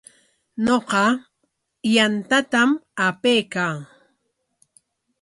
Ñuqa yantatam apaykaa.